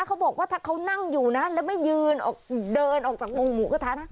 เขาบอกว่าถ้าเขานั่งอยู่นะแล้วไม่ยืนออกเดินออกจากวงหมูกระทะนะ